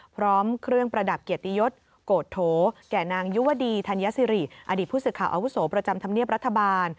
พร้อมเครื่องประดับเกียรติยศโกรธโถแก่นางยุวดีธัญสิริอดีตผู้สื่อข่าวอาวุโสประจำธรรมเนียบรัฐบาล